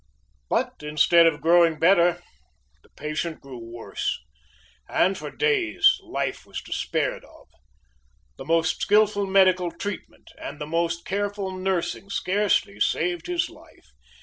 But instead of growing better the patient grew worse, and for days life was despaired of. The most skillful medical treatment, and the most careful nursing scarcely saved his life.